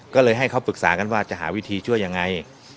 ก็เลยให้เขาปรึกษากันว่าจะหาวิธีช่วยยังไง